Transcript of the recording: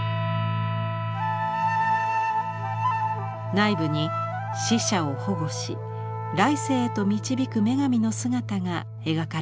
内部に死者を保護し来世へと導く女神の姿が描かれています。